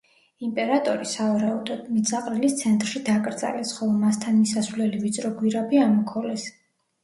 იმპერატორი, სავარაუდოდ, მიწაყრილის ცენტრში დაკრძალეს, ხოლო მასთან მისასვლელი ვიწრო გვირაბი ამოქოლეს.